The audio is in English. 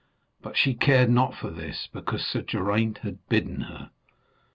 But she cared not for this, because Sir Geraint had bidden her.